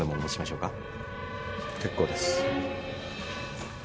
結構です。